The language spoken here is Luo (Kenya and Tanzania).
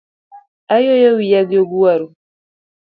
Ayuoyo wiya gi oguaru